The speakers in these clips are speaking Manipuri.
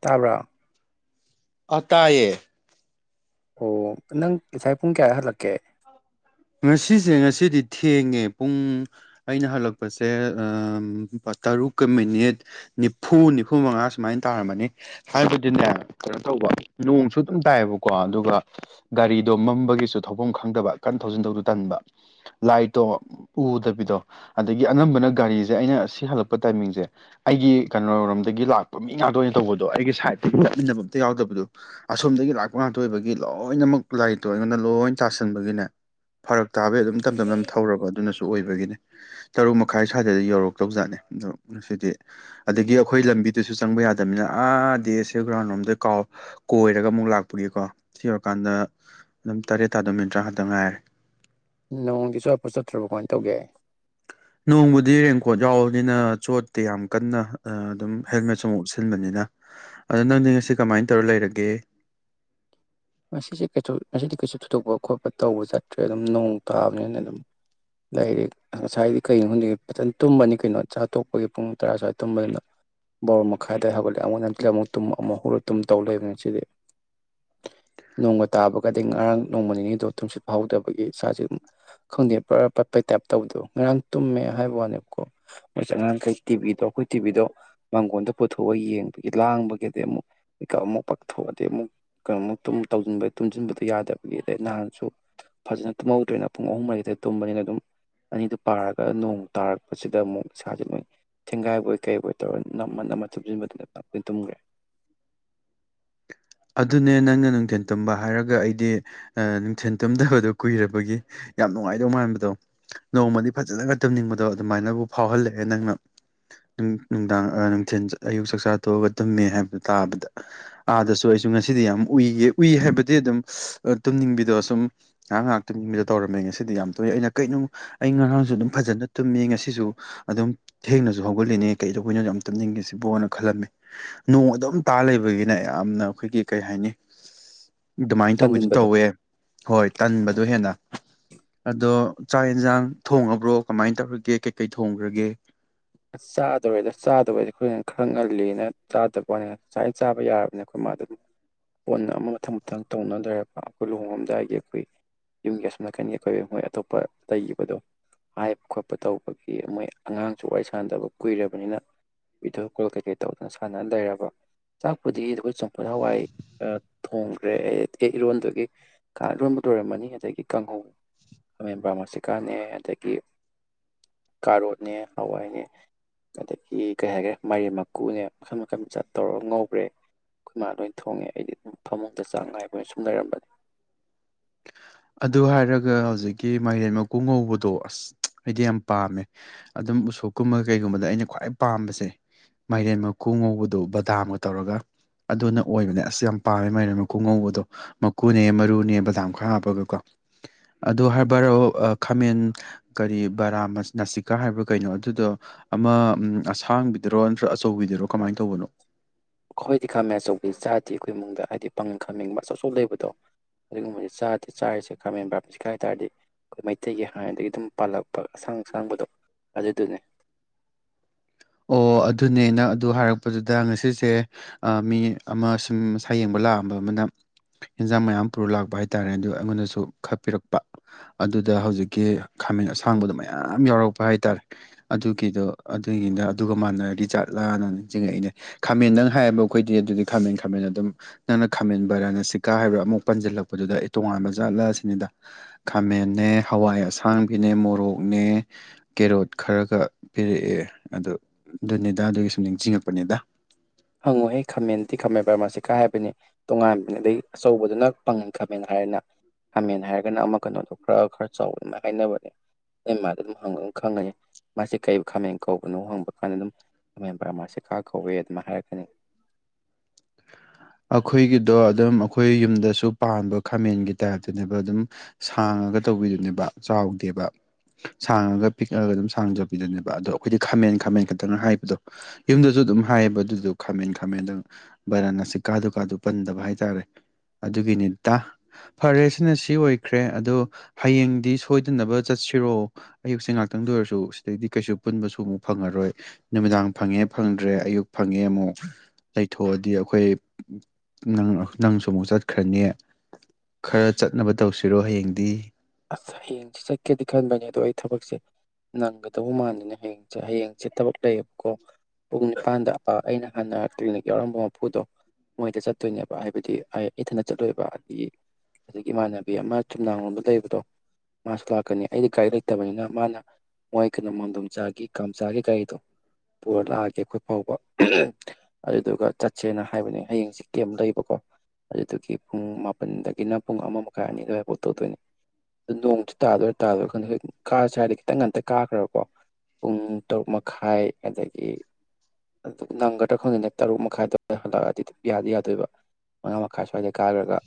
ꯇꯥꯕ꯭ꯔꯣ ꯑꯥ ꯇꯥꯏꯌꯦ꯫ ꯑꯣ ꯅꯪ ꯉꯥꯏ ꯄꯨꯡ ꯀꯌꯥ ꯍꯜꯂꯛꯀꯦ ꯉꯁꯤꯁꯦ ꯉꯁꯤꯗꯤ ꯊꯦꯡꯉꯦ ꯄꯨꯡ ꯑꯩꯅ ꯍꯜꯂꯛꯄꯁꯦ ꯇꯔꯨꯛꯀ ꯃꯤꯅꯤꯠ ꯅꯤꯐꯨ ꯅꯤꯐꯨ ꯃꯉꯥ ꯁꯨꯃꯥꯏꯅ ꯇꯥꯔꯝꯃꯅꯤ ꯍꯥꯏꯕꯗꯤꯅꯦ ꯀꯩꯅꯣ ꯇꯧꯕ ꯅꯣꯡꯁꯨ ꯑꯗꯨꯝ ꯇꯥꯏꯌꯦꯕꯀꯣ ꯑꯗꯨꯒ ꯒꯥꯔꯤꯗꯣ ꯃꯝꯕꯒꯤꯁꯨ ꯊꯧꯐꯝ ꯈꯪꯗꯕ ꯊꯧꯖꯤꯟ ꯇꯧꯗꯣ ꯇꯟꯕ ꯂꯥꯏꯔꯤꯠꯇꯣ ꯎꯗꯕꯤꯗꯣ ꯑꯗꯒꯤ ꯑꯅꯝꯕꯅ ꯒꯥꯔꯤꯁꯦ ꯑꯩꯅ ꯁꯤ ꯍꯜꯂꯛꯄ ꯇꯥꯏꯃꯤꯡꯁꯦ ꯑꯩꯒꯤ ꯀꯩꯅꯣꯔꯣꯝꯗꯒꯤ ꯂꯥꯛꯄ ꯃꯤ ꯉꯥꯛꯇꯣꯏ ꯑꯣꯏꯅ ꯇꯧꯕꯗꯣ ꯑꯩꯒꯤ ꯁꯥꯏꯗꯠꯇꯒꯤ ꯇꯠꯃꯤꯟꯅꯕ ꯑꯝꯇ ꯌꯥꯎꯗꯕꯗꯣ ꯑꯁꯣꯝꯗꯒꯤ ꯂꯥꯛꯄ ꯉꯥꯛꯇ ꯑꯣꯏꯕꯒꯤ ꯂꯣꯏꯅꯃꯛ ꯂꯥꯏꯔꯤꯠꯇꯣ ꯑꯩꯉꯣꯟꯗ ꯂꯣꯏ ꯇꯥꯁꯟꯕꯒꯤꯅꯦ ꯐꯔꯛ ꯇꯥꯕꯩ ꯑꯗꯨꯝ ꯇꯞ ꯇꯞꯅ ꯊꯧꯔꯕ ꯑꯗꯨꯅꯁꯨ ꯑꯣꯏꯕꯒꯤꯅꯦ ꯇꯔꯨꯛ ꯃꯈꯥꯏ ꯁ꯭ꯋꯥꯏꯗ ꯌꯧꯔꯛꯇꯧꯖꯥꯠꯅꯦ ꯑꯗꯣ ꯉꯁꯤꯗꯤ ꯑꯗꯒꯤ ꯑꯩꯈꯣꯏ ꯂꯝꯕꯤꯗꯨꯁꯨ ꯆꯪꯕ ꯌꯥꯗꯅꯤꯅ ꯑꯥꯗꯦ ꯁꯦ ꯒ꯭ꯔꯥꯎꯟ ꯔꯣꯝꯗ ꯀꯥꯎ ꯀꯣꯏꯔꯒ ꯑꯃꯨꯛ ꯂꯥꯛꯄꯒꯤꯀꯣ ꯁꯤ ꯌꯧꯔꯀꯥꯟꯗ ꯑꯗꯨꯝ ꯇꯔꯦꯠ ꯇꯥꯗꯣ ꯃꯤꯅꯤꯠ ꯇꯔꯥ ꯉꯇꯪ ꯉꯥꯏꯔꯦ ꯅꯣꯡꯒꯤꯁꯨꯋꯥꯄꯠ ꯆꯠꯇ꯭ꯔꯕ ꯀꯃꯥꯏꯅ ꯇꯧꯒꯦ ꯅꯣꯡꯕꯨꯗꯤ ꯔꯦꯡꯀꯣꯠ ꯌꯥꯎꯕꯅꯤꯅ ꯆꯣꯠꯇꯤ ꯌꯥꯝ ꯀꯟꯅ ꯑꯗꯨꯝ ꯍꯦꯜꯃꯦꯠ ꯆ ꯑꯃ ꯎꯁꯦ ꯆꯟꯕꯅꯤꯅ ꯑꯗ ꯅꯪꯗꯤ ꯉꯁꯤ ꯀꯃꯥꯏꯅ ꯇꯧꯔ ꯂꯩꯔꯒꯦ ꯃꯁꯤꯁ ꯀꯩꯁꯨ ꯃꯁꯤꯗꯤ ꯀꯩꯁꯨ ꯊꯨꯗꯣꯛꯄ ꯈꯣꯠꯄ ꯇꯧꯕ ꯆꯠꯇ꯭ꯔꯦ ꯑꯗꯨꯝ ꯅꯣꯡ ꯇꯥꯕꯅꯤꯅ ꯑꯗꯨꯝ ꯂꯩꯗꯤ ꯉꯁꯥꯏꯗꯤ ꯀꯩꯣ ꯈꯗꯤ ꯐꯖꯅ ꯇꯨꯝꯕꯅꯤ ꯀꯩꯅꯣ ꯆꯥ ꯇꯣꯛꯄꯒꯤ ꯄꯨꯡ ꯇꯔꯥ ꯁ꯭ꯋꯥꯏꯗ ꯇꯨꯝꯕꯅꯤꯅ ꯕꯣꯔ ꯃꯈꯥꯏꯗꯋꯥꯏ ꯍꯧꯒꯠꯂꯛꯦ ꯑꯃꯨꯛ ꯍꯟꯛ ꯑꯃꯨꯛ ꯑꯃꯨꯛ ꯍꯧꯔ ꯇꯨꯝ ꯇꯧ ꯂꯩꯕꯅꯤ ꯁꯤꯗꯤ ꯅꯣꯡꯃ ꯇꯥꯕꯒꯗꯤ ꯉꯔꯥꯡ ꯅꯣꯡꯃ ꯅꯤꯅꯤꯗꯣ ꯇꯨꯝꯁꯤ ꯐꯥꯎꯗꯕꯒꯤ ꯏꯁꯥꯁꯦ ꯑꯗꯨ ꯈꯪꯗꯦꯔ ꯄꯠꯄꯩ ꯇꯥꯏꯞ ꯇꯧꯗꯣ ꯉꯔꯥꯡ ꯇꯨꯝꯃꯦ ꯍꯥꯏꯕ ꯋꯥꯅꯦꯕꯀꯣ ꯃ ꯑꯉꯥꯡꯈꯩ ꯇꯤꯚꯕꯤꯗꯣ ꯑꯩꯈꯣꯏ ꯇꯤꯚꯗꯣ ꯃꯥꯡꯒꯣꯟꯗ ꯄꯨꯊꯣꯛꯑ ꯌꯦꯡꯕꯒꯤ ꯂꯥꯡꯕꯒꯤꯗꯤ ꯑꯃꯨꯛꯀ ꯑꯃꯨꯛ ꯄꯛꯊꯣꯛꯑꯗꯤ ꯑꯃꯨꯛ ꯀꯩꯅꯣꯨꯛ ꯇꯨꯨꯝ ꯇꯧꯟꯕ ꯇꯨꯝꯁꯤꯟꯕꯗꯨꯣ ꯌꯥꯗꯕꯒꯤ ꯑꯗꯩ ꯅꯍꯥꯟꯁꯨ ꯐꯖꯅ ꯇꯨꯝꯍꯧꯗ꯭ꯔꯦꯅ ꯄꯨꯡ ꯑꯍꯨꯝ ꯃꯔꯤꯗ ꯇꯨꯝꯕꯅꯤꯅ ꯑꯗꯨꯝ ꯑꯅꯤꯗꯨ ꯄꯥꯔꯒ ꯅꯣꯡ ꯇꯥꯔꯛꯄꯁꯤꯗ ꯑꯃꯨꯛ ꯏꯁꯥꯁꯦ ꯃꯣꯏ ꯊꯦꯡꯒꯥꯏꯕꯣꯏ ꯀꯩ ꯑꯣꯏ ꯇꯧꯔꯒ ꯅꯝꯃ ꯅꯝꯃ ꯇꯨꯝꯁꯤꯟꯕꯗꯨꯅ ꯂꯣꯏꯅ ꯇꯨꯝꯈ꯭ꯔꯦ ꯑꯗꯨꯅꯦ ꯅꯪꯅ ꯅꯨꯡꯊꯜ ꯇꯨꯝꯕ ꯍꯥꯏꯔꯒ ꯑꯩꯗꯤ ꯅꯨꯡꯊꯦꯜ ꯇꯨꯝꯗꯕꯗꯣ ꯀꯨꯏꯔꯕꯒꯤ ꯌꯥꯝ ꯅꯨꯡꯉꯥꯏꯗꯧ ꯃꯥꯟꯕꯗꯣ ꯅꯣꯡꯃꯗꯤ ꯐꯖꯅꯒ ꯇꯨꯝꯅꯤꯡꯕꯗꯣ ꯑꯗꯨꯃꯥꯏꯅꯕꯨ ꯐꯥꯎꯍꯜꯂꯛꯑꯦ ꯅꯪꯅ ꯅꯨꯡꯗꯥꯡ ꯅꯨꯡꯊꯤꯟ ꯑꯌꯨꯛ ꯆꯥꯛꯆꯥ ꯇꯣꯛꯑꯒ ꯇꯨꯝꯃꯦ ꯍꯥꯏꯕꯗꯣ ꯇꯥꯕꯗ ꯑꯥꯗꯁꯨ ꯑꯣ ꯑꯩꯁꯨ ꯉꯁꯤꯗꯤ ꯌꯥꯝ ꯎꯏꯌꯦ ꯎꯏ ꯍꯥꯏꯕꯗꯤ ꯑꯗꯨꯝ ꯇꯨꯝꯅꯤꯡꯕꯤꯗꯣ ꯁꯨꯝ ꯉꯥꯏꯍꯥꯛ ꯉꯥꯏꯍꯥꯛ ꯇꯨꯝꯅꯤꯡꯕꯗꯣ ꯇꯧꯔꯝꯃꯦ ꯉꯁꯤꯗꯤ ꯌꯥꯝ ꯇꯨꯏ ꯑꯩꯅ ꯀꯩꯅꯣ ꯑꯩ ꯉꯔꯥꯡꯁꯨ ꯑꯗꯨꯝ ꯐꯖꯅ ꯇꯨꯝꯃꯤ ꯉꯁꯤꯁꯨ ꯑꯗꯨꯝ ꯊꯦꯡꯅꯁꯨ ꯍꯧꯒꯠꯂꯤꯅꯦ ꯀꯩꯗ ꯑꯩꯈꯣꯏꯅ ꯌꯥꯝ ꯇꯨꯝꯅꯤꯡꯉꯦ ꯁꯤꯕꯣꯅ ꯈꯜꯂꯝꯃꯦ ꯅꯣꯡ ꯑꯗꯨꯝ ꯇꯥ ꯂꯩꯕꯒꯤꯅ ꯌꯥꯝꯅ ꯑꯩꯈꯣꯏꯒꯤ ꯀꯩ ꯍꯥꯏꯅꯤ ꯑꯗꯨꯃꯥꯏꯅ ꯇꯧꯕꯤꯗꯨ ꯇꯟꯁꯤꯟꯕꯗꯣ ꯇꯧꯋꯦ ꯍꯣꯏ ꯇꯟꯕꯗꯣ ꯍꯦꯟꯅ ꯑꯗꯣ ꯆꯥꯛ ꯌꯦꯟꯁꯥꯡ ꯊꯣꯡꯉꯕ꯭ꯔꯣ ꯀꯃꯥꯏꯅ ꯇꯧꯔꯒꯦ ꯀꯩꯀꯩ ꯊꯣꯡꯈ꯭ꯔꯒꯦ ꯆꯥꯗꯔꯦꯗ ꯆꯥꯗꯕꯗꯤ ꯑꯩꯈꯣꯏꯅ ꯈꯔ ꯉꯜꯂꯤꯅ ꯆꯥꯗꯕꯅꯤ ꯉꯥꯏ ꯆꯥꯕ ꯌꯥꯔꯕꯅꯤꯅ ꯑꯩꯈꯣꯏ ꯃꯥ ꯑꯗꯨꯝ ꯑꯣꯟꯅ ꯑꯃ ꯃꯊꯪ ꯃꯊꯪ ꯇꯧꯅꯗ꯭ꯔꯦꯕ ꯑꯩꯈꯣꯏ ꯂꯨꯍꯣꯡꯉꯝꯗꯥꯏꯒꯤ ꯑꯩꯈꯣꯏ ꯌꯨꯝꯒꯤ ꯑꯁꯨꯝ ꯅꯥꯀꯟꯒꯤ ꯑꯩꯈꯣꯏ ꯃꯣꯏ ꯑꯇꯣꯞꯄ ꯂꯩꯈꯤꯕꯗꯣ ꯍꯥꯏꯕ ꯈꯣꯠꯄ ꯇꯧꯕꯒꯤ ꯃꯣꯏ ꯑꯉꯥꯡꯁꯨ ꯋꯥꯔꯤ ꯁꯦ ꯁꯥꯟꯅꯗꯕ ꯀꯨꯏꯔꯕꯅꯤꯅ ꯚꯤꯗꯤꯑꯣ ꯀꯣꯜ ꯀꯩꯀꯩ ꯇꯧꯗꯅ ꯁꯥꯟꯅꯅ ꯂꯩꯔꯕ ꯆꯥꯛꯄꯨꯗꯤ ꯑꯩꯈꯣꯏ ꯆꯣꯡꯐꯨꯠ ꯍꯋꯥꯏ ꯊꯣꯡꯈ꯭ꯔꯦ ꯑꯦ ꯏꯔꯣꯟꯗꯨꯒꯤ ꯏꯔꯣꯟꯕꯨ ꯂꯣꯏꯔꯝꯃꯅꯤ ꯑꯗꯒꯤ ꯀꯥꯡꯍꯧ ꯈꯃꯦꯝꯕ꯭ꯔꯥ ꯃꯁꯤꯀꯥꯅꯦ ꯑꯗꯒꯤ ꯀꯥꯔꯣꯅꯦ ꯍꯋꯥꯏꯅꯦ ꯑꯗꯒꯤ ꯀꯩ ꯍꯥꯏꯈ꯭ꯔꯦ ꯃꯔꯦꯝ ꯃꯀꯨꯅꯦ ꯃꯈꯟ ꯃꯈꯟ ꯆꯠ ꯇꯧꯔꯒ ꯉꯧꯕ꯭ꯔꯦ ꯑꯩꯈꯣꯏ ꯏ ꯃꯥ ꯂꯣꯏ ꯊꯣꯡꯉꯦ ꯑꯩꯗꯤ ꯑꯗꯨꯝ ꯐꯃꯨꯡꯗ ꯆꯥꯛ ꯉꯥꯏꯕꯅ ꯁꯨꯝ ꯂꯩꯔꯝꯕꯅꯦ ꯑꯗꯨ ꯍꯥꯏꯔꯒ ꯍꯧꯖꯤꯛꯀꯤ ꯃꯥꯏꯔꯦꯟ ꯃꯀꯨ ꯉꯧꯕꯗꯣ ꯑꯁ ꯑꯩꯗꯤ ꯌꯥꯝ ꯄꯥꯝꯃꯦ ꯑꯗꯨꯝ ꯎꯁꯣꯞꯀꯨꯝꯕ ꯀꯩꯒꯨꯝꯕꯗ ꯑꯩꯅ ꯈ꯭ꯋꯥꯏ ꯄꯥꯝꯕꯁꯦ ꯃꯥꯏꯔꯦꯟ ꯃꯀꯨ ꯉꯧꯕꯗꯣ ꯕꯗꯥꯝꯒ ꯇꯧꯔꯒ ꯑꯗꯨꯅ ꯑꯣꯏꯕꯅꯦ ꯑꯁ ꯌꯥꯝ ꯄꯥꯝꯃꯦ ꯃꯥꯏꯔꯦꯟ ꯃꯀꯨ ꯉꯧꯕꯗꯣ ꯃꯀꯨꯅꯦ ꯃꯔꯨꯅꯦ ꯕꯗꯥꯝ ꯈꯔ ꯍꯥꯞꯄ ꯀꯣ ꯑꯗꯨꯣ ꯍꯥꯏꯕꯔꯣ ꯈꯥꯃꯦꯟ ꯀꯔꯤ ꯕꯔꯥ ꯅꯥꯁꯤꯛꯀꯥ ꯍꯥꯏꯕ꯭ꯔꯥ ꯀꯩꯅꯣ ꯑꯗꯨꯗꯣ ꯑꯃ ꯑꯁꯥꯡꯕꯤꯗꯔꯣ ꯅꯠꯇ꯭ꯔ ꯑꯆꯧꯕꯤꯗꯨꯔꯣ ꯀꯃꯥꯏꯅ ꯇꯧꯕꯅꯣ ꯑꯩꯈꯣꯏꯗꯤ ꯈꯥꯃꯦꯟ ꯑꯆꯧꯕꯤꯗꯤ ꯆꯥꯗꯦ ꯑꯩꯈꯣꯏ ꯏꯃꯨꯡꯗ ꯍꯥꯏꯗꯤ ꯄꯪ ꯈꯥꯃꯦꯟꯕ ꯑꯆꯧ ꯑꯆꯧ ꯂꯩꯕꯗꯣ ꯑꯗꯨꯒꯨꯝꯕꯕꯁꯤ ꯆꯥꯗꯦ ꯆꯥꯔꯤꯁꯦ ꯈꯥꯃꯦꯟꯕ꯭ꯔꯥ ꯃꯁꯤ ꯍꯥꯏ ꯇꯥꯔꯗꯤ ꯑꯩꯈꯣꯏ ꯃꯩꯇꯩꯒꯤ ꯍꯥꯟꯅꯗꯒꯤ ꯑꯗꯨꯝ ꯄꯥꯜꯂꯛꯄ ꯑꯁꯥꯡ ꯑꯁꯥꯡꯕꯗꯣ ꯑꯗꯨꯗꯨꯅꯤ ꯑꯣ ꯑꯗꯨꯅꯦꯅ ꯑꯗꯨ ꯍꯥꯏꯔꯛꯄꯗꯨꯗ ꯉꯁꯤꯁꯦ ꯃꯤ ꯑꯃ ꯁꯨꯝ ꯃꯁꯥ ꯌꯦꯡꯕ ꯂꯥꯛꯑꯝꯕ ꯑꯃꯅ ꯑꯦꯟꯖꯥꯡ ꯃꯌꯥꯝ ꯄꯨꯔ ꯂꯥꯛꯄ ꯍꯥꯏꯇꯥꯥꯔꯦ ꯑꯗꯨ ꯑꯩꯉꯣꯟꯗꯁꯨ ꯈꯛꯄꯤꯔꯛꯄ ꯑꯗꯨꯗ ꯍꯧꯖꯤꯛꯀꯤ ꯈꯥꯃꯦꯟ ꯑꯁꯥꯡꯕꯗꯣ ꯃꯌꯥꯝ ꯌꯥꯎꯔꯛꯄ ꯍꯥꯏ ꯇꯔꯦ ꯑꯗꯨꯒꯤꯗꯣ ꯑꯗꯨꯒꯤꯅ ꯑꯗꯨꯒ ꯃꯥꯟꯅꯔꯗꯤꯖꯥꯠꯂꯥꯑꯅ ꯅꯤꯡ ꯆꯤꯡꯉꯛꯏꯅꯦ ꯈꯥꯃꯦꯟ ꯅꯪ ꯍꯥꯏꯕ ꯑꯩꯈꯣꯏꯗꯤ ꯑꯗꯨꯗꯤ ꯈꯥꯃꯦꯟ ꯈꯥꯃꯦꯟ ꯑꯗꯨꯝ ꯅꯪꯅ ꯈꯥꯃꯦꯟ ꯕꯔꯥꯅ ꯆꯤꯀꯥ ꯍꯥꯏꯕ꯭ꯔꯥ ꯑꯃꯨꯛ ꯄꯟꯁꯤꯜꯂꯛꯄꯗꯨꯗ ꯑꯩ ꯇꯣꯉꯥꯟꯕ ꯖꯥꯠꯂꯥ ꯑꯁꯤꯅꯤꯗ ꯈꯥꯃꯦꯟꯦ ꯍꯋꯥꯏ ꯑꯁꯥꯡꯕꯤꯅꯦ ꯃꯣꯔꯣꯛꯅꯦ ꯀꯦꯔꯣꯠ ꯈꯔꯒ ꯄꯤꯔꯛꯑꯦ ꯑꯗꯣ ꯑꯗꯨꯅꯦꯗꯥ ꯑꯗꯨꯒꯤ ꯁꯨꯝ ꯅꯤꯡꯁꯤꯡꯉꯛꯄꯅꯦꯗ ꯍꯪꯉꯣꯍꯦ ꯈꯥꯃꯦꯟꯗꯤꯤ ꯈꯥꯃꯦꯟ ꯕꯔꯃꯥꯁꯤꯀꯥ ꯍꯥꯏꯕꯅꯤ ꯇꯣꯉꯥꯟꯕꯅ ꯑꯗꯩ ꯑꯆꯧꯕꯗꯨꯅ ꯄꯪꯉꯟ ꯈꯥꯃꯦꯟ ꯍꯥꯏꯔꯒꯅ ꯈꯥꯃꯦꯟ ꯍꯥꯏꯔꯒꯅ ꯑꯃ ꯀꯩꯅꯣꯗꯣ ꯈꯔ ꯈꯔ ꯆꯥꯎꯕ ꯑꯗꯨꯃꯥꯏ ꯍꯥꯏꯅꯕꯅꯦ ꯑ ꯃꯥꯗ ꯑꯗꯨꯝ ꯍꯪꯉꯒ ꯑꯗꯨꯝ ꯈꯪꯉꯅꯤ ꯃꯥꯁꯤ ꯀꯩ ꯈꯥꯃꯦꯟ ꯀꯧꯕꯅꯣ ꯍꯪꯕ ꯀꯥꯟꯗ ꯑꯗꯨꯝ ꯈꯥꯃꯦꯟ ꯕꯔꯃꯥꯁꯤꯀꯥ ꯀꯧꯏꯦ ꯑꯗꯨꯃꯥꯏ ꯍꯥꯏꯔꯒ ꯎꯅꯤ ꯑꯩꯈꯣꯏꯒꯤꯗꯣ ꯑꯗꯨꯝ ꯑꯩꯈꯣꯏ ꯌꯨꯝꯗꯁꯨ ꯄꯥꯟꯕ ꯈꯥꯃꯦꯟꯒꯤ ꯇꯥꯏꯞꯇꯅꯦꯕ ꯑꯗꯨꯝ ꯁꯥꯡꯉꯒ ꯇꯧꯕꯤꯗꯨꯅꯦꯕ ꯆꯥꯎꯗꯦꯕ ꯁꯥꯡꯉꯒ ꯄꯤꯛꯂꯒ ꯑꯗꯨꯝ ꯁꯥꯡꯖꯕꯤꯗꯨꯅꯦꯕ ꯑꯗꯣ ꯑꯩꯈꯣꯏꯗꯤ ꯈꯥꯃꯦꯟ ꯈꯥꯃꯦꯟ ꯈꯛꯇꯪꯅ ꯍꯥꯏꯕꯗꯣ ꯌꯨꯝꯗꯁꯨ ꯑꯗꯨꯝ ꯍꯥꯏꯌꯦꯕ ꯑꯗꯨꯗꯣ ꯈꯥꯃꯦꯟ ꯈꯥꯃꯦꯟꯗꯪ ꯕꯔꯅꯁꯤ ꯀꯥꯗꯨ ꯀꯥꯗꯨ ꯄꯟꯗꯕ ꯍꯥꯏꯇꯥꯔꯦ ꯑꯗꯨꯒꯤꯅꯤꯠꯇ ꯐꯔꯦ ꯁꯤꯅ ꯁꯤ ꯑꯣꯏꯈ꯭ꯔꯦ ꯑꯗꯣ ꯍꯌꯦꯡꯗꯤ ꯁꯣꯏꯗꯅꯕ ꯆꯠꯁꯤꯔꯣ ꯑꯌꯨꯛꯁꯦ ꯉꯥꯛꯇꯪꯗ ꯑꯣꯏꯔꯁꯨ ꯁꯤꯗꯩꯗꯤ ꯀꯩꯁꯨ ꯄꯨꯟꯕꯁꯨ ꯑꯃꯨꯛ ꯐꯪꯉꯔꯣꯏ ꯅꯨꯃꯤꯗꯥꯡ ꯐꯪꯉꯦ ꯐꯪꯗ꯭ꯔꯦ ꯑꯌꯨꯛ ꯐꯪꯉꯦ ꯑꯃꯨꯛ ꯂꯩꯊꯣꯛ ꯍꯗꯤ ꯑꯩꯈꯣꯏ ꯅꯪ ꯅꯪꯁꯨ ꯑꯃꯨꯛ ꯆꯠꯈ꯭ꯔꯅꯤ ꯈꯔ ꯆꯠꯅꯕ ꯇꯧꯁꯤꯔꯣ ꯍꯌꯦꯡꯗꯤ ꯑꯁ ꯍꯌꯦꯡꯁꯦ ꯆꯠꯀꯦꯗꯤ ꯈꯟꯕꯅꯦ ꯑꯗꯣ ꯑꯩ ꯊꯕꯛꯁꯦ ꯅꯪꯒꯗꯧ ꯃꯥꯟꯗꯦꯅ ꯍꯌꯦꯡ ꯍꯌꯦꯡꯁꯦ ꯊꯕꯛ ꯂꯩꯌꯦꯕꯀꯣ ꯄꯨꯡ ꯅꯤꯄꯥꯟꯗ ꯑꯩꯅ ꯍꯥꯟꯅ ꯄꯤꯅꯤꯛ ꯌꯥꯎꯔꯝꯕ ꯃꯄꯨꯗꯣ ꯃꯣꯏꯗ ꯆꯠꯇꯣꯏꯅꯦꯕ ꯍꯥꯏꯕꯗꯤ ꯏꯊꯅ ꯆꯠꯂꯣꯏꯕ ꯑꯗꯒꯤ ꯑꯗꯒꯤ ꯏꯃꯥꯟꯅꯕꯤ ꯑꯃ ꯆꯨꯝꯅꯥꯡ ꯂꯣꯝꯗ ꯂꯩꯕ ꯃꯥꯁꯨ ꯂꯥꯛꯀꯅꯤ ꯑꯩꯗꯤ ꯒꯥꯔꯤ ꯂꯩꯇꯕꯅꯤꯅ ꯃꯥꯅ ꯃꯣꯏ ꯀꯩꯅꯣ ꯃꯥꯡꯗꯣꯝꯆꯥꯒꯤ ꯀꯝꯆꯥꯒꯤ ꯒꯥꯔꯤꯗꯣ ꯄꯨꯔ ꯂꯥꯛꯑꯒꯦ ꯑꯩꯈꯣꯏ ꯐꯥꯎꯕ ꯑꯗꯨꯗꯨꯒ ꯆꯠꯁꯦꯅ ꯍꯥꯏꯕꯅꯦ ꯍꯌꯦꯡꯁꯤꯦ ꯀꯦꯝꯝ ꯂꯩꯕꯀꯣ ꯑꯗꯨꯗꯨꯒꯤ ꯄꯨꯡ ꯃꯥꯄꯜꯗꯒꯤꯅ ꯄꯨꯡ ꯑꯃ ꯃꯈꯥꯏ ꯑꯅꯤꯗꯋꯥꯐꯥꯎ ꯇꯧꯗꯣꯏꯅꯦ ꯑꯗꯨ ꯅꯣꯡꯁꯨ ꯇꯥꯗꯣꯏꯔ ꯇꯥꯗꯣꯏꯔꯥ ꯈꯪꯗꯦ ꯀꯥ ꯁ꯭ꯋꯥꯏꯗ ꯈꯤꯇꯪ ꯉꯝꯇ ꯀꯥꯈ꯭ꯔꯕꯀꯣ ꯄꯨꯡ ꯇꯔꯨꯛ ꯃꯈꯥꯏ ꯑꯗꯒꯤ ꯑꯗꯨ ꯅꯪꯒꯗ꯭ꯔꯥ ꯈꯪꯗꯅꯦ ꯇꯔꯨꯛ ꯃꯈꯥꯏꯗꯋꯥꯏꯗ ꯍꯜꯂꯛꯑꯗꯤ ꯌꯥꯗꯤ ꯌꯥꯗꯣꯏꯕ ꯃꯉꯥ ꯃꯈꯥꯏ ꯁ꯭ꯋꯥꯏꯗ ꯀꯥꯈ꯭ꯔꯒ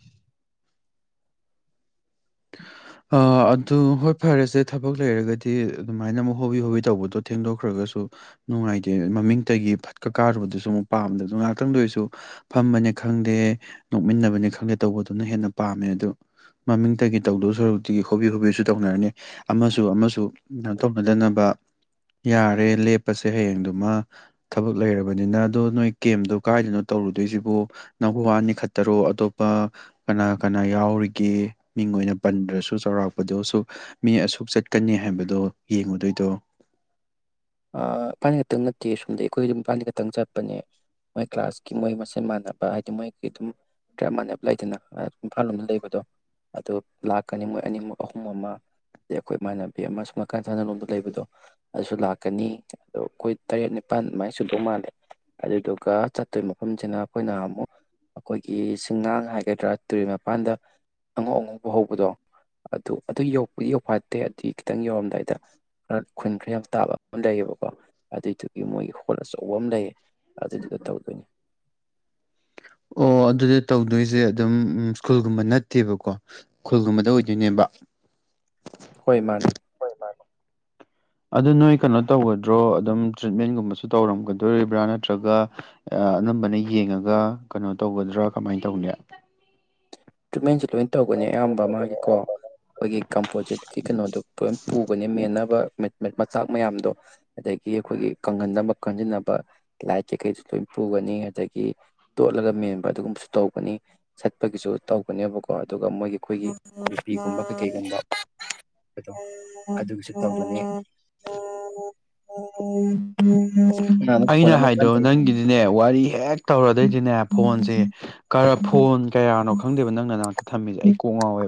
ꯑꯗꯨ ꯍꯣꯏ ꯐꯔꯁꯦ ꯊꯕꯛ ꯂꯩꯔꯒꯗꯤ ꯑꯗꯨꯃꯥꯏꯅ ꯑꯃꯨꯛ ꯍꯣꯕꯤ ꯍꯣꯕꯤ ꯇꯧꯕꯗꯣ ꯊꯦꯡꯗꯣꯛꯈ꯭ꯔꯒꯁꯨ ꯅꯨꯡꯉꯥꯏꯇꯦ ꯃꯃꯤꯡꯇꯒꯤ ꯐꯠꯀ ꯀꯥꯔꯨꯕꯗꯨꯁꯨ ꯑꯃꯨꯛ ꯄꯥꯝꯗ ꯑ ꯑꯗꯨ ꯉꯥꯏꯍꯥꯛꯇꯪꯗ ꯑꯣꯏꯁꯨ ꯐꯝꯕꯅꯦ ꯈꯪꯗꯦ ꯅꯣꯛꯃꯤꯟꯅꯕꯅꯦ ꯈꯪꯗꯦ ꯇꯧꯕꯗꯨꯅ ꯍꯦꯟꯅ ꯄꯥꯝꯃꯦ ꯑꯗꯨ ꯃꯃꯤꯡꯇꯒꯤ ꯇꯧꯗꯁꯨ ꯁꯣꯔꯨꯛꯇꯤꯒꯤ ꯍꯣꯕꯤ ꯍꯣꯕꯤꯁꯨ ꯇꯧꯅꯔꯅꯤ ꯑꯃꯁꯨ ꯑꯃꯁꯨ ꯇꯧꯅꯗꯅꯕ ꯌꯥꯔꯦ ꯂꯦꯞꯄꯁꯦ ꯍꯌꯦꯡꯗꯨꯃ ꯊꯕꯛ ꯂꯩꯔꯕꯅꯤꯅ ꯑꯗꯣ ꯅꯣꯏ ꯀꯦꯝꯗꯣ ꯀꯥꯏꯗꯅꯣ ꯇꯧꯔꯨꯗꯣꯏꯁꯤꯕꯨ ꯅꯪꯕꯨ ꯋꯥꯅꯤ ꯈꯠꯇꯔꯣ ꯑꯇꯣꯞꯄ ꯀꯅꯥ ꯀꯅꯥ ꯌꯥꯎꯔꯤꯒꯦ ꯃꯤꯡ ꯑꯣꯏꯅ ꯄꯟꯗ꯭ꯔꯁꯨ ꯆꯥꯎꯔꯥꯛꯄꯗꯣꯁꯨ ꯃꯤ ꯑꯁꯨꯛ ꯆꯠꯀꯅꯤ ꯍꯥꯏꯕꯗꯣ ꯌꯦꯡꯉꯨꯗꯣꯏꯗꯣ ꯏꯐꯥꯜꯅꯤ ꯈꯛꯇꯪ ꯅꯠꯇꯦ ꯁꯣꯝꯗ ꯑꯩꯈꯣꯏꯝ ꯏꯝꯐꯥꯜꯅꯤ ꯈꯛꯇꯪ ꯆꯠꯄꯅꯦ ꯃꯣꯏ ꯀ꯭ꯂꯥꯁꯀꯤ ꯃꯣꯏ ꯃꯆꯤꯟ ꯃꯥꯟꯅꯕ ꯍꯥꯏꯗꯤ ꯃꯣꯏꯒꯤ ꯑꯗꯨꯝ ꯈ꯭ꯔꯞ ꯃꯥꯟꯅꯕ ꯂꯩꯗꯅ ꯏꯝꯐꯥꯜ ꯂꯣꯝꯗ ꯂꯩꯕꯗꯣ ꯑꯗꯨ ꯂꯥꯛꯀꯅꯤ ꯃꯣꯏ ꯑꯅꯤꯃꯛ ꯑꯍꯨꯝ ꯑꯃ ꯑꯗꯩ ꯑꯩꯈꯣꯏ ꯏꯃꯥꯟꯅꯕꯤ ꯑꯃ ꯁꯨꯝ ꯅꯥꯀꯥꯟ ꯁꯥꯟꯅ ꯂꯣꯝꯗ ꯂꯩꯕꯗꯣ ꯑꯗꯨꯁꯨ ꯂꯥꯛ ꯆꯀꯅꯤ ꯑꯗꯣ ꯑꯩꯈꯣꯏ ꯇꯔꯦꯠ ꯅꯤꯄꯥꯜ ꯑꯗꯨꯃꯥꯏꯅ ꯁꯨꯗꯧ ꯃꯥꯜꯂꯦ ꯑꯗꯨꯗꯨꯒ ꯆꯠꯇꯣꯏ ꯃꯐꯝꯁꯤꯅ ꯑꯩꯈꯣꯏꯅ ꯑꯃꯨꯛ ꯑꯩꯈꯣꯏꯒꯤ ꯤꯡꯉꯥꯡ ꯍꯥꯏꯒꯗ꯭ꯔꯥ ꯇꯨꯔꯔꯤ ꯃꯄꯥꯟꯗ ꯑꯉꯧ ꯑꯉꯧꯕ ꯍꯧꯕꯗꯣ ꯑꯗꯨ ꯑꯗꯨ ꯌꯣꯛꯄꯒꯤ ꯌꯧꯐꯠꯇꯦ ꯑꯗꯨꯗꯤ ꯈꯤꯇꯪ ꯌꯧꯔꯝꯗꯥꯏꯗ ꯈꯔ ꯈꯨꯟ ꯈꯔ ꯌꯥꯝ ꯇꯥꯕ ꯂꯩꯌꯦꯕꯀꯣ ꯑꯗꯨꯏꯗꯨꯒꯤ ꯃꯣꯏꯒꯤ ꯍꯣꯜ ꯑꯆꯧꯕ ꯑꯃ ꯂꯩꯌꯦ ꯑꯗꯨꯗꯨꯗ ꯇꯧꯗꯣꯏꯅꯤ ꯑꯣ ꯑꯗꯨꯗꯤ ꯇꯧꯗꯣꯏ ꯁꯦ ꯑꯗꯨꯝ ꯎꯝ ꯁ꯭ꯀꯨꯜꯒꯨꯝꯕ ꯅꯠꯇꯦꯕꯀꯣ ꯁ꯭ꯀꯨꯜꯒꯨꯝꯕꯗ ꯑꯣꯏꯗꯣꯏꯅꯦꯕ ꯍꯣꯏ ꯃꯥꯅꯦ ꯑꯗꯨ ꯅꯣꯏ ꯀꯩꯅꯣ ꯇꯧꯒꯗ꯭ꯔꯣ ꯑꯗꯨꯝ ꯇ꯭ꯔꯤꯠꯃꯦꯟꯒꯨꯝꯕꯁꯨ ꯇꯧꯔꯝꯒꯗꯣꯔꯤꯕ꯭ꯔꯥ ꯅꯠꯇ꯭ꯔꯒ ꯑꯅꯝꯕꯅ ꯌꯦꯡꯉꯒ ꯀꯩꯅꯣ ꯇꯧꯒꯗ꯭ꯔꯥ ꯀꯃꯥꯏꯅ ꯇꯧꯅꯤ ꯇꯦꯟ [unintelligible] ꯂꯣꯏ ꯇꯧꯒꯅꯤ ꯑꯌꯥꯝꯕ ꯃꯥꯒꯤꯀꯣ ꯑꯩꯈꯣꯏꯒꯤ ꯀꯝꯄꯣꯖꯤꯠꯀꯤ ꯀꯩꯅꯣꯗꯨꯣ ꯂꯣꯏ ꯄꯨꯒꯅꯤ ꯃꯦꯟꯅꯕ ꯃꯆꯥꯛ ꯃꯌꯥꯝꯗꯣ ꯑꯗꯒꯤ ꯑꯩꯈꯣꯏꯒꯤ ꯀꯪꯍꯟꯅꯕ ꯀꯟꯖꯤꯟꯅꯕ ꯂꯥꯏꯠ ꯀꯩꯀꯩꯁꯨ ꯂꯣꯏ ꯄꯨꯒꯅꯤ ꯑꯗꯒꯤ ꯇꯣꯠꯂꯒ ꯃꯦꯟꯕ ꯑꯗꯨꯒꯨꯝꯕꯁꯨ ꯇꯧꯒꯅꯤ ꯆꯠꯄꯒꯤꯁꯨ ꯇꯧꯒꯅꯦꯕꯀꯣ ꯑꯗꯨꯒ ꯃꯣꯏꯒꯤ ꯑꯩꯈꯣꯏꯒꯤ ꯅꯨꯄꯤꯒꯨꯝꯕ ꯀꯩꯀꯩꯒꯨꯝꯕ ꯑꯗꯣ ꯑꯗꯨꯒꯤꯁꯨ ꯇꯧꯒꯅꯤ ꯀꯅꯥꯅꯣ ꯐꯣꯟ ꯑꯩꯅ ꯑꯃꯨꯛ ꯍꯥꯏꯗꯣ ꯀꯟꯅ ꯇꯧꯔꯤ ꯅꯪꯒꯤꯗꯤꯅꯦ ꯋꯥꯔꯤ ꯍꯦꯛ ꯇꯧꯔꯗꯣꯏꯗꯤꯅꯦ ꯐꯣꯟꯁꯦ ꯀꯔ ꯐꯣꯟ ꯀꯌꯥꯅꯣ ꯈꯪꯗꯕ ꯅꯪꯅ ꯅ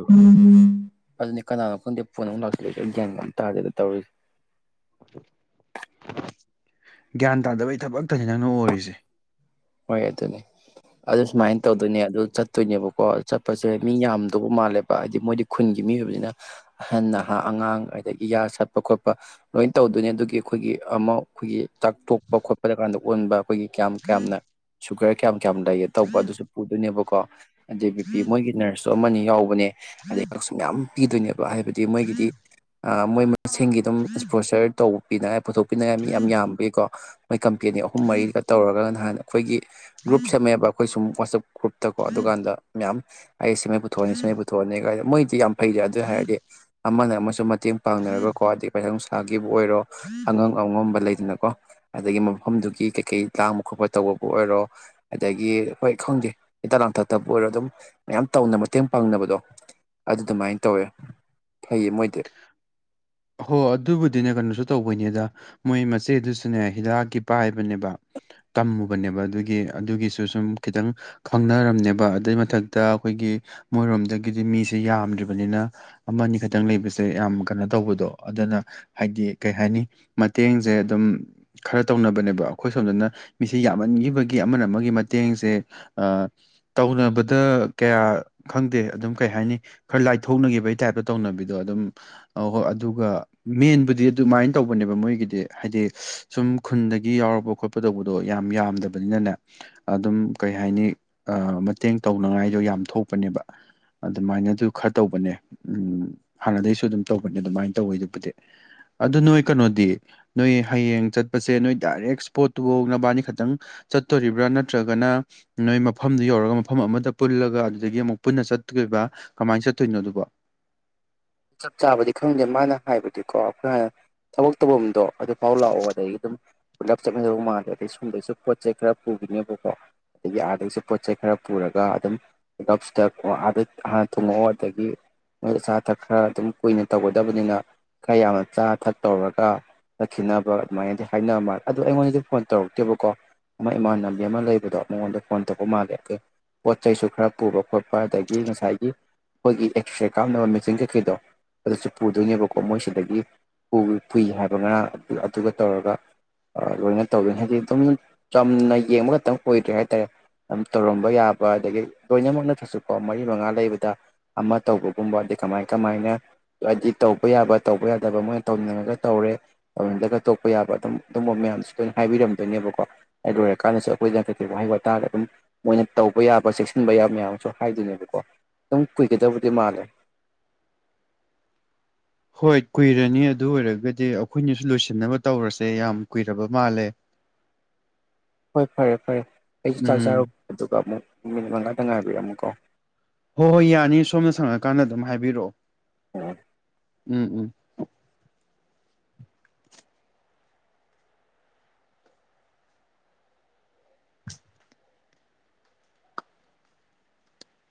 ꯎꯝ ꯑꯗꯨꯅꯤ ꯀꯅꯥꯅꯣ ꯈꯗ ꯄ ꯄꯨꯟꯅ ꯑꯃꯨꯛ ꯂꯥꯛꯁꯤꯂꯛꯁꯦ ꯒꯌꯥ ꯑꯃ ꯇꯥꯔꯦꯗ ꯇꯧꯔꯤꯁꯁꯤ [inaudible] [unintelligible] ꯒ꯭ꯌꯥꯟ ꯇꯥꯗꯕꯩ ꯊꯕꯛꯇꯅꯤ ꯅꯪꯅ ꯑꯣꯏꯔꯤꯁꯦ ꯍꯣꯏ ꯑꯗꯨꯅꯦ ꯑꯗꯨ ꯁꯨꯃꯥꯏꯅ ꯇꯧꯗꯣꯏꯅꯦ ꯑꯗꯨ ꯆꯠꯇꯣꯏꯅꯦꯕꯀꯣ ꯆꯠꯄꯁꯦ ꯃꯤ ꯌꯥꯝꯗꯧꯕ ꯃꯥꯜꯂꯦꯕ ꯍꯥꯏꯗꯤ ꯃꯣꯏꯗꯤ ꯈꯨꯟꯒꯤ ꯃꯤ ꯑꯣꯏꯕꯅꯤꯅ ꯑꯍꯟ ꯅꯍꯥ ꯑꯉꯥꯡ ꯑꯗꯒꯤ ꯌꯥ ꯆꯠꯄ ꯈꯣꯠꯄ ꯂꯣꯏ ꯇꯧꯗꯣꯏꯅꯦ ꯑꯗꯨꯒꯤ ꯑꯩꯈꯣꯏꯒꯤ ꯑꯃ ꯑꯩꯈꯣꯏꯒꯤ ꯆꯥꯛ ꯇꯣꯛꯄ ꯈꯣꯠꯄꯗ ꯀꯥꯟꯗ ꯑꯣꯟꯕ ꯑꯩꯈꯣꯏꯒꯤ ꯀꯌꯥꯝ ꯀꯌꯥꯝꯅ ꯁꯨꯒꯔ ꯀꯌꯥ ꯀꯌꯥꯝ ꯂꯩꯌꯦꯦ ꯇꯧꯕ ꯑꯗꯨꯁꯨ ꯄꯨꯗꯣꯏꯅꯦꯕ ꯀꯣ ꯑꯗ ꯕꯤ ꯄꯤ ꯃꯣꯏꯒꯤ ꯅꯔꯁ ꯑꯃꯅꯤ ꯌꯥꯎꯕꯅꯦ ꯑꯗꯦ꯭ꯔ ꯁꯒ [inaudible] [unintelligible] ꯄꯤꯗꯨꯅꯦꯕ ꯍꯥꯏꯕꯗꯤ ꯃꯣꯏꯒꯤꯗꯤ ꯃꯣꯏ ꯃꯁꯤꯡꯒꯤ ꯑꯗꯨꯝ ꯏꯁꯄ꯭ꯔꯣꯁꯔ ꯇꯧꯕ ꯄꯅꯥ ꯄꯨꯊꯣꯛꯄꯤꯅꯤꯡꯉꯥꯏ ꯃꯤ ꯌꯥꯝ ꯌꯥꯝꯕꯒꯤꯀꯣ ꯃꯣꯏ ꯀꯝꯄꯦꯅꯤ ꯑꯍꯨꯝ ꯃꯔꯤꯒ ꯇꯧꯔꯒ ꯅꯍꯥꯟꯅ ꯑꯩꯈꯣꯏꯒꯤ ꯒ꯭ꯔꯨꯞ ꯁꯦꯝꯃꯦꯑꯕ ꯑꯩꯈꯣꯏ ꯁꯨꯝ ꯋꯥꯠ ꯆꯞ ꯒꯔꯨꯞ ꯑꯗꯨꯀꯥꯟꯗ ꯃꯌꯥꯝ ꯑꯩ ꯁꯤꯃꯩ ꯄꯨꯊꯑꯅꯤ ꯁꯤꯃꯩ ꯄꯨꯊꯑꯅꯤ ꯀꯥꯏꯗ ꯃꯣꯏ ꯌꯥꯝ ꯐꯩꯔꯦ ꯑꯗꯨ ꯍꯥꯏꯔꯗꯤ ꯑꯃꯅ ꯑꯃꯁꯨꯡ ꯑꯃꯁꯨꯡꯃ ꯃꯇꯦꯡ ꯄꯥꯡꯅꯔꯒ ꯀ꯭ꯋꯥꯗꯒꯤ ꯄꯥꯏꯈꯪ ꯒꯤꯕꯨ ꯑꯣꯏꯔꯣ ꯑꯉꯥꯡ ꯑꯉꯝꯕ ꯂꯩ ꯑꯗꯨꯅ ꯀꯣ ꯑꯗꯒꯤ ꯃꯐꯝꯗꯨꯒꯤ ꯀꯩ ꯀꯩ ꯇꯥꯡꯕ ꯈꯣꯠꯄ ꯇꯧꯕꯕꯨ ꯑꯣꯏꯔꯣ ꯑꯗꯒꯤ ꯍꯣꯏ ꯈꯪꯗꯦ ꯍꯤꯗꯥꯛ ꯂꯥꯡꯊꯛꯛꯇꯕꯨ ꯑꯣꯏꯔꯣ ꯑꯗꯨꯝ ꯃꯌꯥꯝ ꯇꯧꯅ ꯃꯇꯦꯡ ꯄꯥꯡꯅꯕꯗꯣ ꯑꯗꯨꯃꯥꯏꯅ ꯇꯧꯋꯦ ꯐꯩꯌꯦ ꯃꯣꯏꯗꯤ ꯍꯣ ꯑꯗꯨꯕꯨꯗꯤꯅꯦ ꯀꯩꯅꯣꯁꯨ ꯇꯧꯕꯅꯤꯗ ꯃꯣꯏ ꯃꯆꯦꯗꯨꯁꯨꯅꯦ ꯍꯤꯗꯥꯛꯀꯤ ꯄꯥꯏꯕꯅꯦꯕ ꯇꯝꯃꯨꯕꯅꯦꯕ ꯑꯗꯨꯒꯤ ꯑꯗꯨꯒꯤꯁꯨ ꯁꯨꯝ ꯈꯤꯇꯪ ꯈꯪꯅꯔꯝꯅꯦꯕ ꯑꯗꯨꯏ ꯃꯊꯛꯇ ꯑꯩꯈꯣꯏꯒꯤ ꯃꯣꯏꯔꯣꯝꯗꯒꯤꯗꯤ ꯃꯤꯁꯦ ꯌꯥꯝꯗ꯭ꯔꯤꯕꯅꯤꯅ ꯑꯃꯅꯤ ꯈ ꯈꯤꯇꯪ ꯂꯩꯕꯁꯦ ꯌꯥꯝ ꯀꯩꯅꯣ ꯇꯧꯕꯗꯣ ꯑꯗꯨꯅ ꯍꯥꯏꯗꯤ ꯀꯩ ꯍꯥꯏꯅꯤ ꯃꯇꯦꯡꯁꯦ ꯑꯗꯨꯝ ꯈꯔ ꯇꯧꯅꯕꯅꯦꯕ ꯑꯩꯈꯣꯏ ꯁꯣꯝꯗꯅ ꯃꯤꯁ ꯌꯥꯝꯃꯟꯈꯤꯕꯒꯤ ꯑꯃꯅ ꯑꯃꯒꯤ ꯃꯇꯦꯡꯁꯦ ꯇꯧꯅꯕꯗ ꯀꯌꯥ ꯈꯪꯗꯦ ꯑꯗꯨꯝ ꯀꯩ ꯍꯥꯏꯅꯤ ꯈꯔ ꯂꯥꯏꯊꯣꯛꯅꯈꯤꯕꯒꯤ ꯇꯥꯏꯞꯇ ꯇꯧꯅꯕꯤꯗꯣ ꯑꯗꯨꯝ ꯍꯣꯏ ꯑꯗꯨꯒ ꯃꯦꯟꯕꯨꯗꯤ ꯑꯗꯨꯃꯥꯏꯅ ꯇꯧꯕꯅꯦꯕ ꯃꯣꯏꯒꯤꯗꯤ ꯍꯥꯏꯗꯤ ꯁꯨꯝ ꯈꯨꯟꯗꯒꯤ ꯌꯥꯎꯄ ꯈꯣꯠꯄ ꯇꯧꯕꯗꯣ ꯌꯥꯝ ꯌꯥꯝꯗꯕꯅꯤꯅꯅꯦ ꯑꯗꯨꯝ ꯀꯩ ꯍꯥꯏꯅꯤ ꯃꯇꯦꯡ ꯇꯧꯅꯉꯥꯏꯗꯣ ꯌꯥꯝ ꯊꯣꯛꯄꯅꯦꯕ ꯑꯗꯨꯃꯥꯏꯅꯗꯨ ꯈꯔ ꯇꯧꯕꯅꯦ ꯎꯝ ꯍꯥꯟꯅꯗꯒꯤꯩꯁꯨ ꯑꯗꯨꯝ ꯇꯧꯕꯅꯦ ꯑꯗꯨꯃꯥꯏꯅ ꯇꯧꯋꯤ ꯑꯗꯨꯕꯨꯗꯤ ꯑꯗꯨ ꯅꯣꯏ ꯀꯩꯅꯣꯗꯤ ꯅꯣꯏ ꯍꯌꯦꯡ ꯆꯠꯄꯁꯦ ꯅꯣꯏ ꯗꯥꯏꯔꯦꯛ ꯏꯁꯄꯣꯠꯇꯨ ꯀꯣꯛꯅꯕꯅꯤ ꯈꯇꯪ ꯆꯠꯇꯣꯔꯤꯕ꯭ꯔꯥ ꯅꯠꯇ꯭ꯔꯒꯅ ꯅꯣꯏ ꯃꯐꯝꯗꯨ ꯌꯧꯔꯒ ꯃꯐꯝ ꯑꯃꯗ ꯄꯨꯜꯂꯒ ꯑꯗꯨꯗꯒꯤ ꯑꯃꯨꯛ ꯄꯨꯟꯅ ꯆꯠꯇꯠꯇꯣꯏꯔꯤꯕ꯭ꯔꯥ ꯀꯃꯥꯏꯅ ꯆꯠꯇꯣꯏꯅꯣ ꯑꯗꯨꯕꯣ ꯆꯞ ꯆꯥꯕꯗꯤ ꯈꯪꯗꯦ ꯃꯥꯅ ꯍꯥꯏꯕꯗꯨꯀꯣ ꯑꯩꯈꯣꯏ ꯍꯅ ꯊꯕꯛ ꯇꯧꯐꯝꯗꯣ ꯑꯗꯨꯐꯥꯎ ꯂꯥꯛꯑꯣ ꯑꯗꯒꯤ ꯑꯗꯨꯝ ꯄꯨꯂꯞ ꯆꯠꯃꯤꯗꯧ ꯃꯥꯟꯗꯦ ꯑꯗꯩ ꯁꯣꯝꯗꯩꯁꯨ ꯄꯣꯠ ꯆꯩ ꯈꯔ ꯄꯨꯈꯤꯅꯦꯕꯀꯣ ꯑꯗꯒꯤ ꯑꯥꯗꯒꯤꯩꯁꯨ ꯄꯣꯠ ꯆꯩꯩ ꯈꯔ ꯄꯨꯔꯒ ꯑꯗꯨꯝ ꯄꯨꯂꯞꯁꯤꯗ ꯑꯥꯗ ꯍꯥꯟꯅ ꯊꯨꯡꯉꯛꯑꯣ ꯑꯗꯒꯤ ꯅꯣꯏ ꯑꯆꯥ ꯑ ꯊꯛꯄ ꯈꯔ ꯑꯗꯨꯝ ꯀꯨꯏꯅ ꯇꯧꯒꯗꯕꯅꯤꯅ ꯈꯔ ꯌꯥꯝꯅ ꯆꯥ ꯊꯛ ꯇꯧꯔꯒ ꯆꯠꯈꯤꯅꯕ ꯑꯗꯨꯃꯥꯏꯅꯗꯤ ꯍꯥꯏꯅꯕ ꯃꯥꯜꯂꯦ ꯑꯗꯨꯗꯣ ꯑꯩꯉꯣꯟꯗ ꯐꯣꯟ ꯇꯧꯔꯛꯇꯦꯕꯀꯣ ꯑꯃ ꯏꯃꯥꯟꯅꯕꯤ ꯑꯃ ꯂꯩꯕꯗꯣ ꯃꯉꯣꯟꯗ ꯐꯣꯟ ꯇꯧꯕ ꯃꯥꯜꯂꯦ ꯑ ꯄꯣꯠ ꯆꯩꯁꯨ ꯈꯔ ꯄꯨꯕ ꯈꯣꯠꯄ ꯑꯗꯒꯤ ꯉꯁꯥꯏꯒꯤ ꯑꯩꯈꯣꯏꯒꯤ ꯑꯦꯛꯁ꯭ꯔꯦ ꯀꯥꯞꯅꯕ ꯃꯦꯆꯤꯟ ꯦꯗꯣ ꯑꯗꯨꯁꯨ ꯄꯨꯗꯣꯏꯅꯦꯕꯀꯣ ꯃꯣꯏꯁꯤꯗꯒꯤ ꯄꯨꯏ ꯍꯥꯏꯕ ꯉꯅ ꯑꯗꯨꯒ ꯇꯧꯔꯒ ꯂꯣꯏꯅ ꯇꯧꯗꯣꯏꯅꯤ ꯍꯥꯏꯗꯤ ꯑꯗꯨꯝ ꯆꯝꯅ ꯌꯦꯡꯕ ꯈꯛꯇꯪ ꯑꯣꯏꯗ꯭ꯔꯦ ꯍꯥꯏꯇꯥꯔꯦ ꯑꯗꯨꯝ ꯇꯧꯔꯝꯕ ꯌꯥꯕ ꯑꯗꯒꯤ ꯂꯣꯏꯅꯃꯛꯅ ꯊꯁꯨꯀꯣ ꯃꯔꯤ ꯃꯉꯥ ꯂꯩꯕꯗ ꯑꯃ ꯇꯧꯕꯒꯨꯝꯕ ꯑꯗꯩ ꯀꯃꯥꯏꯅ ꯀꯃꯥꯏꯅ ꯍꯥꯏꯗꯤ ꯇꯧꯕ ꯌꯥꯕ ꯇꯧꯕ ꯌꯥꯗꯕ ꯃꯣꯏꯅ ꯇꯧꯅꯤꯡꯉꯒ ꯇꯧꯔꯦ ꯇꯧꯅꯤꯡꯗꯒ ꯇꯣꯛꯄ ꯌꯥꯕ ꯑꯗꯨꯝ ꯑꯗꯨꯝꯕ ꯃꯌꯥꯝꯁꯨ ꯂꯣꯏꯅ ꯍꯥꯏꯕꯤꯔꯝꯗꯣꯏꯅꯦꯕꯀꯣ ꯑꯗꯨ ꯂꯣꯏꯔꯀꯥꯟꯗꯁꯨ ꯑꯩꯈꯣꯏꯅ ꯀꯩꯗ ꯋꯥꯍꯩ ꯋꯥꯇꯥꯔꯒ ꯑꯗꯨꯝ ꯃꯣꯏꯅ ꯇꯧꯕ ꯌꯥꯕ ꯆꯦꯛꯁꯤꯟꯕ ꯌꯥꯕ ꯃꯌꯥꯝ ꯑꯃꯁꯨ ꯍꯥꯏꯗꯣꯏꯅꯦꯕꯀꯣ ꯑꯗꯨꯝ ꯀꯨꯏꯒꯗꯕꯨꯗꯤ ꯃꯥꯜꯂꯦ ꯍꯣꯏ ꯀꯨꯏꯔꯅꯤ ꯑꯗꯨ ꯑꯣꯏꯔꯒꯗꯤ ꯑꯩꯈꯣꯏꯅꯁꯨ ꯂꯣꯏꯁꯤꯟꯅꯕ ꯇꯧꯔꯁꯦ ꯌꯥꯝ ꯀꯨꯏꯔꯕ ꯃꯥꯜꯂꯦ ꯍꯣꯏ ꯐꯔꯦ ꯐꯔꯦ ꯑꯩꯁꯨ ꯆꯥꯛꯖꯔꯨ ꯎꯝ ꯑꯗꯨꯒ ꯑꯃꯨꯛ ꯃꯤꯅꯤꯃꯡ ꯈꯗꯪ ꯉꯥꯏꯕꯤꯌꯨ ꯑꯃꯨꯛꯀꯣ ꯍꯣꯏ ꯍꯣꯏ ꯌꯥꯅꯤ ꯁꯣꯝꯅ ꯁꯪꯉꯛꯀꯥꯟꯗ ꯑꯗꯨꯝ ꯍꯥꯏꯕꯤꯔꯛꯑꯣ ꯑꯣ ꯎꯝ ꯎꯝ